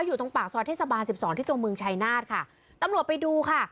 อยู่ตรงปากสวทธิสบา๑๒ที่ตัวเมืองชายนาฏค่ะตำรวจไปดูค่ะ